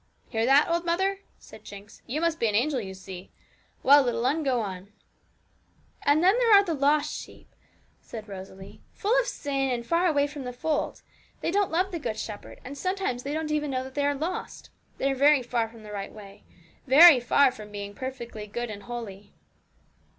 'Hear that, old mother?' said Jinx; 'you must be an angel, you see. Well, little 'un, go on.' 'And then there are the lost sheep,' said Rosalie, 'full of sin, and far away from the fold; they don't love the Good Shepherd, and sometimes they don't even know that they are lost. They are very far from the right way very far from being perfectly good and holy.'